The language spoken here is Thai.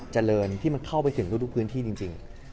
เจริญที่มันเข้าไปถึงทุกพื้นที่จริง